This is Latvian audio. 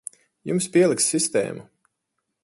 Jums pieliks sistēmu.